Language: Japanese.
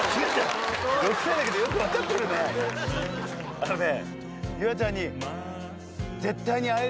あのね